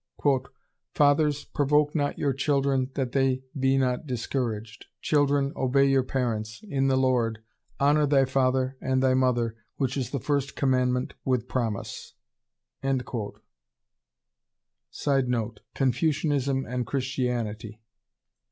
"Fathers, provoke not your children that they be not discouraged. Children, obey your parents in the Lord. Honor thy father and thy mother, which is the first commandment with promise." [Sidenote: Confucianism and Christianity.